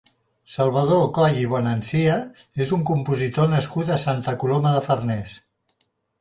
Salvador Coll i Bonancia és un compositor nascut a Santa Coloma de Farners.